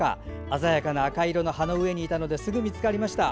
鮮やかな赤色の葉の上にいたのですぐ見つかりました。